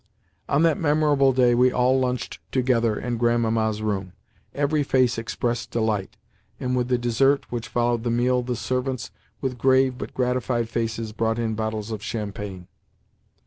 On that memorable day we all lunched together in Grandmamma's room. Every face expressed delight, and with the dessert which followed the meal the servants, with grave but gratified faces, brought in bottles of champagne.